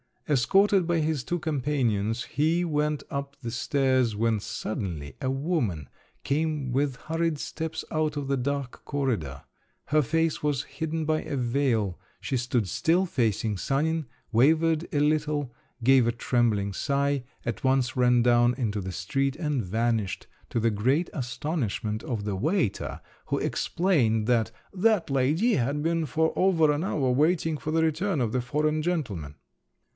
Escorted by his two companions, he went up the stairs, when suddenly a woman came with hurried steps out of the dark corridor; her face was hidden by a veil, she stood still, facing Sanin, wavered a little, gave a trembling sigh, at once ran down into the street and vanished, to the great astonishment of the waiter, who explained that "that lady had been for over an hour waiting for the return of the foreign gentleman."